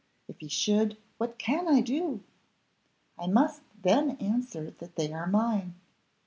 if he should, what can I do? I must then answer that they are mine.